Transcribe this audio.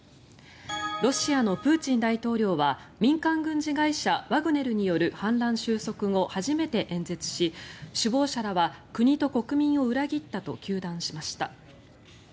ロシアのプーチン大統領は民間軍事会社ワグネルによる反乱収束後初めて演説し首謀者らは国と国民を裏切ったと糾弾しました。